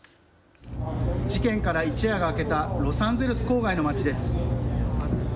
事件から一夜が明けたロサンゼルス郊外の街です。